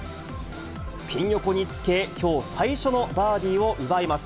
ピン横につけ、きょう最初のバーディーを奪います。